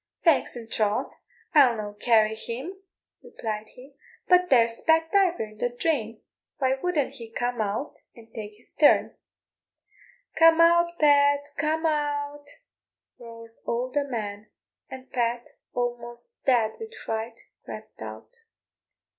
"Faix and troth, I'll no carry him," replied he, "but there's Pat Diver in the drain, why wouldn't he come out and tak' his turn?" "Come out, Pat, come out," roared all the men, and Pat, almost dead with fright, crept out.